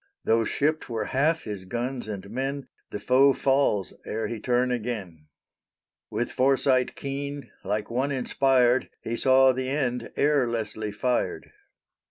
Tho' shipped were half his guns and men The foe falls ere he turn again. With foresight keen, like one inspired, He saw the end ere Leslie fired.